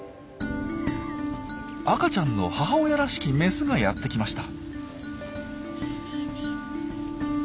赤ちゃんの母親らしきメスがやって来ました。